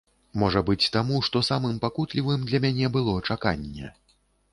Можа быць, таму, што самым пакутлівым для мяне было чаканне.